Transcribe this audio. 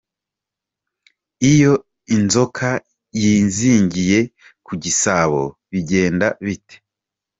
Iyo inzoka yizingiye ku gisabo bigenda bite?.